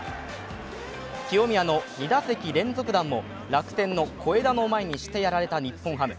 清宮の２打席連続弾も楽天の小枝の前にしてやられた日本ハム。